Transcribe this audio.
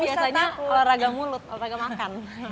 karena olahraga mulut olahraga makan